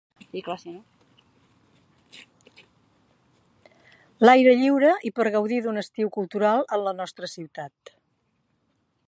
L’aire lliure i per gaudir d’un estiu cultural en la nostra ciutat.